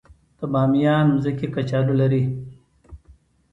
د بامیان ځمکې کچالو لري